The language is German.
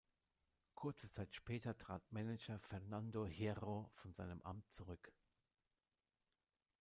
Kurze Zeit später trat Manager Fernando Hierro von seinem Amt zurück.